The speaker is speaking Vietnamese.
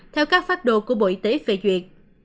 theo các phát đồ của bộ y tế phê duyệt